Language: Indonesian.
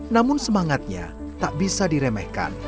namun semangatnya tak bisa diremehkan